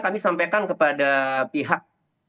kami sampaikan kepada pihak